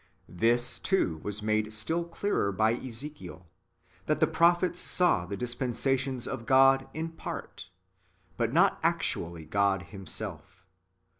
This, too, was made still clearer by Ezekiel, that the prophets saw the dispensa tions of God in part, but not actually God Himself.